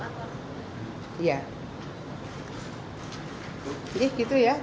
apakah yang peninggal itu dari